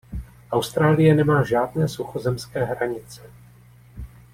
Austrálie nemá žádné suchozemské hranice.